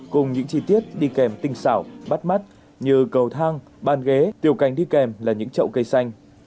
cùng những chi tiết đi kèm tinh xảo bắt mắt như cầu thang bàn ghế tiểu cành đi kèm là những trậu cây xanh